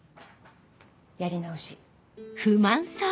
やり直し。